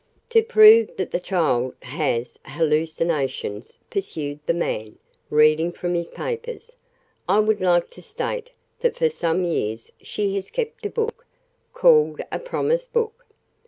"To prove that the child has hallucinations," pursued the man, reading from his papers, "I would like to state that for some years she has kept a book called a promise book.